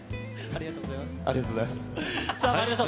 ありがとうございます。